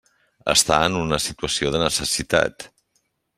Està en una situació de necessitat.